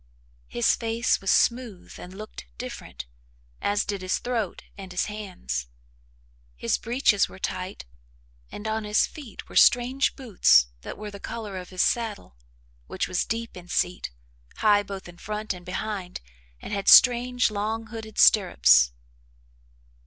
His face was smooth and looked different, as did his throat and his hands. His breeches were tight and on his feet were strange boots that were the colour of his saddle, which was deep in seat, high both in front and behind and had strange long hooded stirrups.